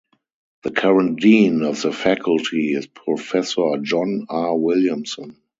The current Dean of the Faculty is Professor John R. Williamson.